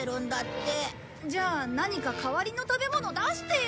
じゃあ何か代わりの食べ物出してよ。